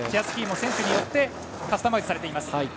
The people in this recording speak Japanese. スキーも選手によってカスタマイズされています。